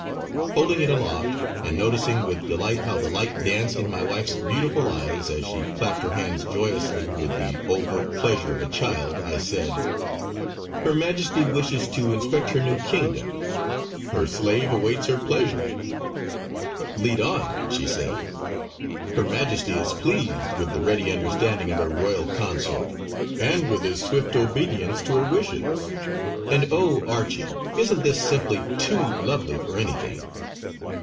Holding it aloft, and noticing with delight how the light danced in my wife's beautiful eyes as she clapped her hands joyously with the overt pleasure of a child, I said: "Her Majesty wishes to inspect her new kingdom. Her slave awaits her pleasure!" "Lead on!" she said. "Her Majesty is pleased with the ready understanding of her Royal Consort, and with his swift obedience to her wishes; and oh! Archie isn't this simply too lovely for anything!"